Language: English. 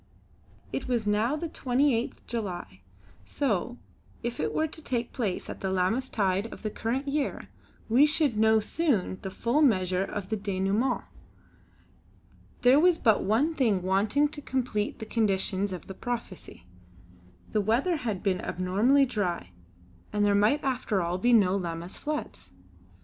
It was now the 28th July so, if it were to take place at the Lammas tide of the current year, we should know soon the full measure of the denouêment. There was but one thing wanting to complete the conditions of the prophecy. The weather had been abnormally dry, and there might after all be no Lammas floods.